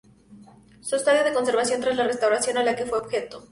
Su estado de conservación tras la restauración a la que fue objeto.